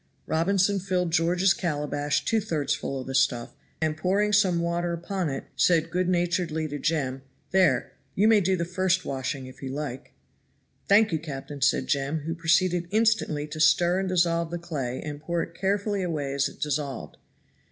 Robinson filled George's calabash two thirds full of the stuff, and pouring some water upon it, said good naturedly to Jem, "There you may do the first washing, if you like." "Thank you, captain," said Jem, who proceeded instantly to stir and dissolve the clay and pour it carefully away as it dissolved.